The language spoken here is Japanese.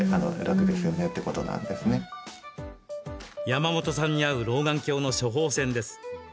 山本さんに合う老眼鏡の処方箋です。